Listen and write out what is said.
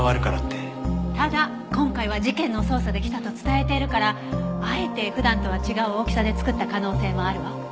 ただ今回は事件の捜査で来たと伝えているからあえて普段とは違う大きさで作った可能性もあるわ。